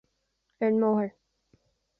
Ar an mbóthar